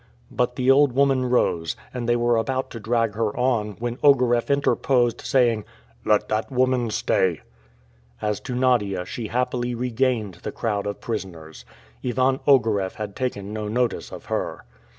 But the old woman rose, and they were about to drag her on, when Ogareff interposed, saying, "Let that woman stay!" As to Nadia, she happily regained the crowd of prisoners. Ivan Ogareff had taken no notice of her.